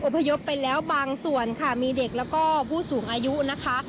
พยพไปแล้วบางส่วนค่ะมีเด็กแล้วก็ผู้สูงอายุนะคะ